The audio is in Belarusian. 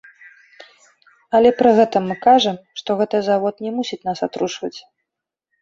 Але пры гэтым мы кажам, што гэты завод не мусіць нас атручваць.